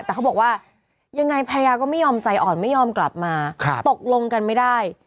แต่เขาบอกว่ายังไงภรรยาก็ไม่ยอมใจอ่อนไม่ยอมกลับมาตกลงกันไม่ได้